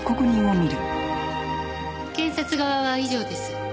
検察側は以上です。